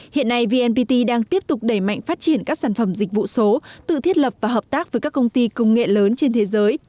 hiện nay vnpt đang tiếp tục đẩy mạnh phát triển các sản phẩm dịch vụ số tự thiết lập và hợp tác với các công ty công nghệ lớn trên thế giới